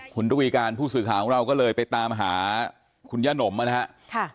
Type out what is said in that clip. คุณตวีการผู้สื่อข่าวของเราก็เลยไปตามหาคุณย่านมนะครับ